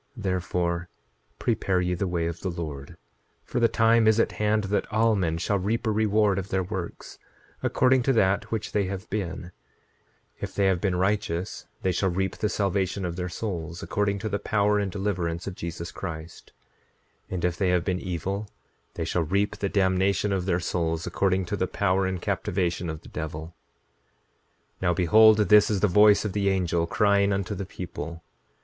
9:28 Therefore, prepare ye the way of the Lord, for the time is at hand that all men shall reap a reward of their works, according to that which they have been—if they have been righteous they shall reap the salvation of their souls, according to the power and deliverance of Jesus Christ; and if they have been evil they shall reap the damnation of their souls, according to the power and captivation of the devil. 9:29 Now behold, this is the voice of the angel, crying unto the people.